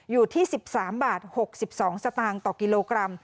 อยู่ที่๑๓บาท๖๒สตางค์ต่อกิโลกรัม